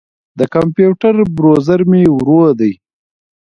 د کمپیوټر بروزر مې ورو دی.